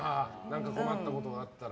何か困ったことがあったら。